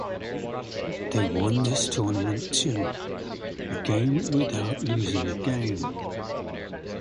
They won this tournament too, again without losing a game.